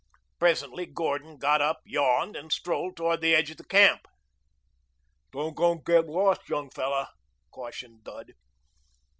Presently Gordon got up, yawned, and strolled toward the edge of the camp. "Don't go and get lost, young fellow," cautioned Dud.